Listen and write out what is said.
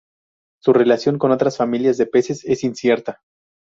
Su relación con otras familias de peces es incierta.